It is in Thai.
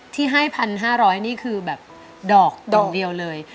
ที่ให้๑๕๐๐นี่คือแบบดอกเดียวเลย